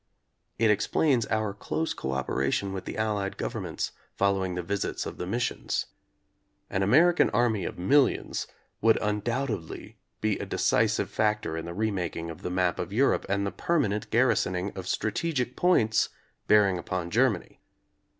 It explains our close cooperation with the Allied governments following the visits of the Missions. An American army of millions would undoubtedly be a decisive factor in the remaking of the map of Europe and the permanent gar risoning of strategic points bearing upon Ger many.